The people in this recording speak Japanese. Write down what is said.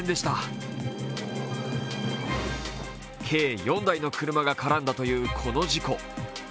計４台の車が絡んだというこの事故。